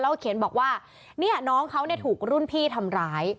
แล้วก็เขียนบอกว่าเนี่ยน้องเขาถูกรุ่นพี่ทำร้าย